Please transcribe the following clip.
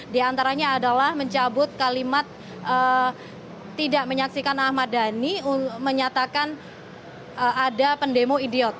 di antaranya adalah mencabut kalimat tidak menyaksikan ahmad dhani menyatakan ada pendemo idiot